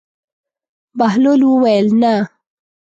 بهلول وویل: نه.